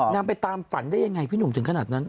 นางไปตามฝันได้ยังไงพี่หนุ่มถึงขนาดนั้น